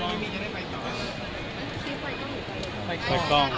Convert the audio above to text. มีไฟกล้อง